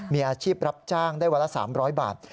มีอาชีพรับจ้างได้วันละ๓๐๐บาท